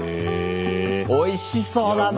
おいしそうだな！